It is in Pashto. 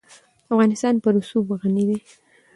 افغانستان په رسوب غني دی.